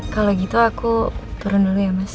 kalau gitu aku turun dulu ya mas